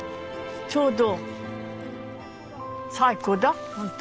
ちょうど最高だほんと。